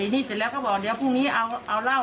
นี่เสร็จแล้วก็บอกเดี๋ยวพรุ่งนี้เอาเหล้า